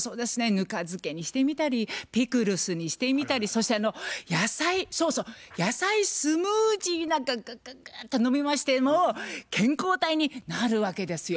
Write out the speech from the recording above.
ぬか漬けにしてみたりピクルスにしてみたりそしてあの野菜そうそう野菜スムージーなんかグッグッグッと飲みましてもう健康体になるわけですよ。